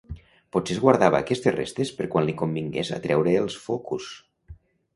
Potser es guardava aquestes restes per quan li convingués atreure els focus.